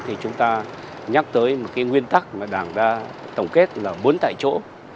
thì chúng ta nhắc tới một cái nguyên tắc mà đảng đã tổng kết là bốn tại chỗ